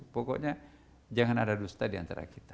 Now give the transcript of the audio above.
pokoknya jangan ada dusta di antara kita